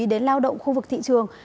đến lao động khu vực thị trường